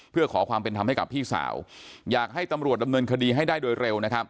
เพื่อขอความเป็นธรรมให้กับพี่สาวอยากให้ตำรวจดำเนินคดีให้ได้โดยเร็วนะครับ